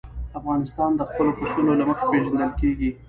افغانستان د خپلو پسونو له مخې پېژندل کېږي.